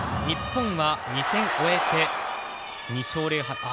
日本は２戦終えて２勝０敗。